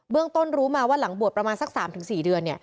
ต้นรู้มาว่าหลังบวชประมาณสัก๓๔เดือน